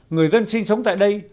người dân sinh sống tại đây